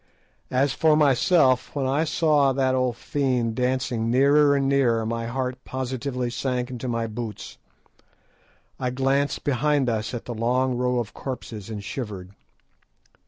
As for myself, when I saw that old fiend dancing nearer and nearer, my heart positively sank into my boots. I glanced behind us at the long rows of corpses, and shivered.